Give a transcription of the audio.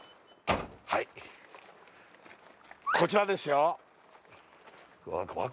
はいこちらですよ